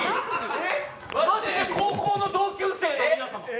マジで高校の同級生の皆さん。